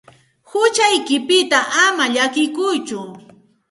Huchaykipita ama llakikuytsu.